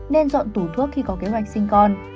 nên dọn tủ thuốc khi có kế hoạch sinh con